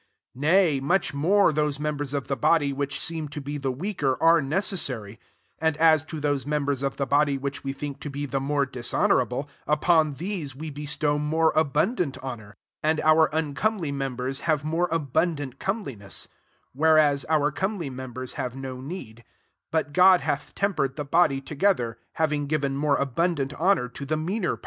22 Nay, much more, those mem bers of the body, which seem to be the weaker, are necessary: 23 and aa to those members of the body which we think to be the mare dishonourable, upon these we bestow more abun^ dant honour ; and our uncomely members have more abundant comeliness : 24 whereas our comely members have no need : but God hath tempered the body together, more abundant meaner